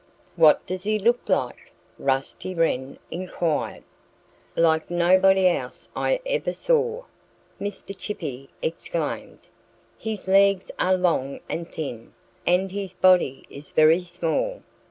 "What does he look like?" Rusty Wren inquired. "Like nobody else I ever saw!" Mr. Chippy exclaimed. "His legs are long and thin; and his body is very small.